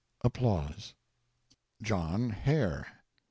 JOHN HARE.